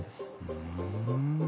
ふん。